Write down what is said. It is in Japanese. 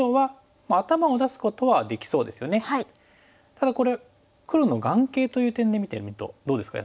ただこれ黒の眼形という点で見てみるとどうですか安田さん。